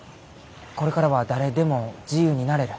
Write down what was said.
これからは誰でも自由になれる。